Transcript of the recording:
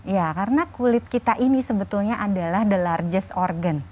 ya karena kulit kita ini sebetulnya adalah the largest organ